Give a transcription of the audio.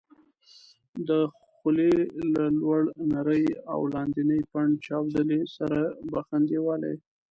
د خولې له لوړ نري او لاندني پنډ چاودلي سره بخن دېواله یې